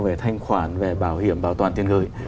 về thanh khoản về bảo hiểm bảo toàn tiền gửi